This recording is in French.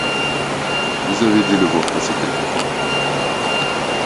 Vous avez dû le voir passer quelquefois.